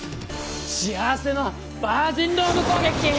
幸せのバージンロード攻撃！